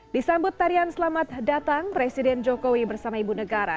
disambut tarian selamat datang presiden jokowi bersama ibu negara